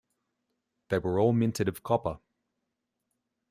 They were all minted of copper.